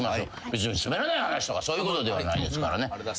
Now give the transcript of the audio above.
別に『すべらない話』とかそういうことではないですからね。